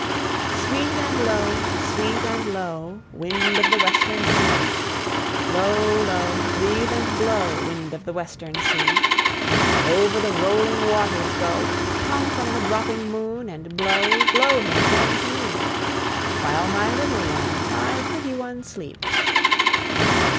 Sweet and low, sweet and low, Wind of the western sea, Low, low, breathe and blow, Wind of the western sea! Over the rolling waters go, Come from the dropping moon and blow, Blow him again to me; While my little one, while my pretty one sleeps.